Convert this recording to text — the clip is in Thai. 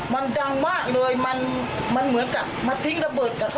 มันดังมากเลยมันเหมือนกับมาทิ้งระเบิด